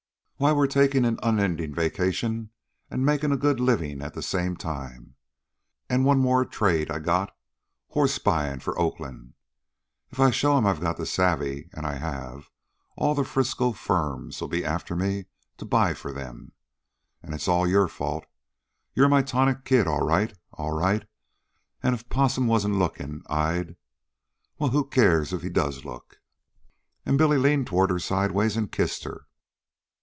Why, we're takin' an unendin' vacation, an' makin' a good livin' at the same time. An' one more trade I got horse buyin' for Oakland. If I show I've got the savve, an' I have, all the Frisco firms'll be after me to buy for them. An' it's all your fault. You're my Tonic Kid all right, all right, an' if Possum wasn't lookin', I'd well, who cares if he does look?" And Billy leaned toward her sidewise and kissed her.